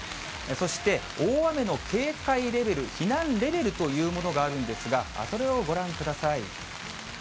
そして大雨の警戒レベル、避難レベルというものがあるんですが、それをご覧ください。